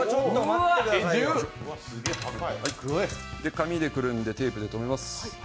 紙でくるんでテープでとめます。